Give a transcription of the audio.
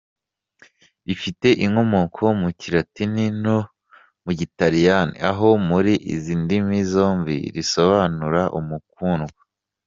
rifite inkomoko mu Kilatini no mu Gitaliyani aho muri izi ndimi zombi risobanura ‘umukundwa’.